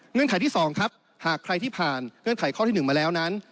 ไขที่๒ครับหากใครที่ผ่านเงื่อนไขข้อที่๑มาแล้วนั้น